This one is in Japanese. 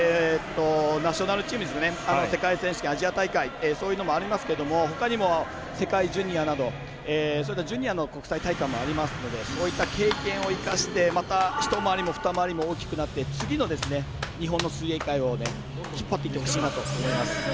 ナショナルチーム世界選手権、アジア大会そういったものもありますけどほかにも世界ジュニアなどジュニアの国際大会もありますのでそういった経験を生かしてまた、１回りも２回りも大きくなって次の日本の水泳界を引っ張っていってほしいと思います。